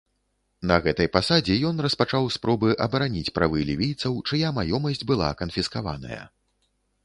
На гэтай пасадзе ён распачаў спробы абараніць правы лівійцаў, чыя маёмасць была канфіскаваная.